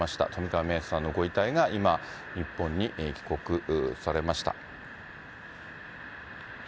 冨川芽生さんのご遺体が今、日本に帰国されました。